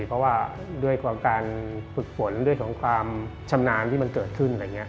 เพราะว่าด้วยความการฝึกฝนด้วยความชำนาญที่มันเกิดขึ้น